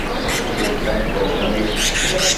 shëcten cuesnunid